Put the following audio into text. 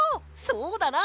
そうだな。